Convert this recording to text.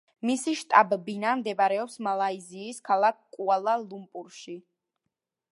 მისი შტაბ-ბინა მდებარეობს მალაიზიის ქალაქ კუალა-ლუმპურში.